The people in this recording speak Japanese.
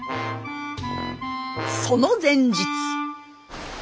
その前日。